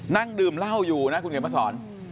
นั่งดื่มเหล้าอยู่นะคุณเกลียดพระสร